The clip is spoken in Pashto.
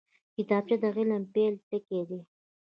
کتابچه د علم د پیل ټکی دی